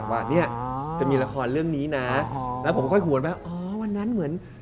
ว่าเนี่ยจะมีละครเรื่องนี้นะแล้วผมค่อยหวนว่าอ๋อวันนั้นเหมือน